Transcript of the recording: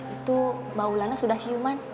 itu bawlannya sudah siuman